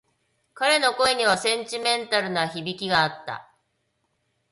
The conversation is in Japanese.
彼の声にはセンチメンタルな響きがあった。